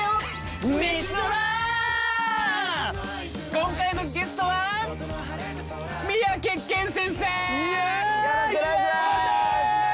今回のゲストは三宅健先生！